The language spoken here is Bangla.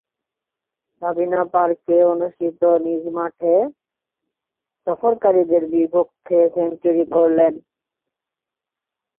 সাবিনা পার্কে অনুষ্ঠিত নিজ মাঠে সফরকারীদের বিপক্ষে সেঞ্চুরি করেন।